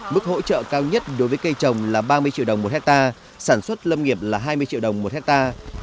mức hỗ trợ cao nhất đối với cây trồng là ba mươi triệu đồng một hectare sản xuất lâm nghiệp là hai mươi triệu đồng một hectare